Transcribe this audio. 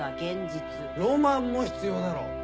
ロマンも必要だろ。